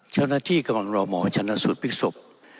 เช้าหน้าที่กำลังรอหมอเช้าหน้าสุดเป็นศพ